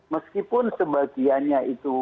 meskipun sebagiannya itu